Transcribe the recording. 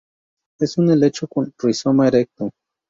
Es un helecho con rizoma erecto.